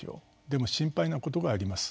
でも心配なことがあります。